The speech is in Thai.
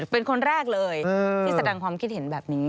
เป็นคนแรกเลยที่แสดงความคิดเห็นแบบนี้